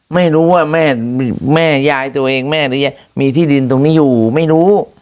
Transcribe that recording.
ไม่รู้ว่าแม่ยายตัวเองแม่มีที่ดินตรงนี้อยู่ไม่รู้